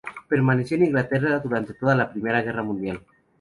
Permaneció en Inglaterra durante toda la Primera Guerra Mundial.